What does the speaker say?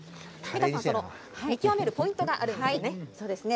美香さん見極めるポイントがありますね。